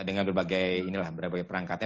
dengan berbagai perangkatnya